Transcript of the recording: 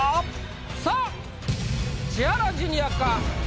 さあ千原ジュニアか？